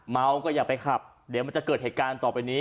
เมาก็อย่าไปขับเดี๋ยวมันจะเกิดเหตุการณ์ต่อไปนี้